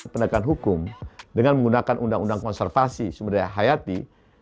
penegakan hukum dengan menggunakan undang undang konservasi sumber daya hayati